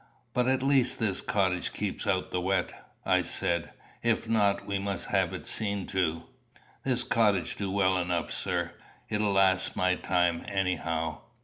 "But at least this cottage keeps out the wet," I said. "If not, we must have it seen to." "This cottage du well enough, sir. It'll last my time, anyhow."